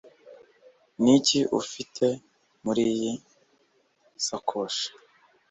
Niki ufite muriyi sakoshi